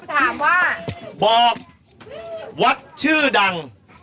ถามว่าบอกวัดชื่อดัง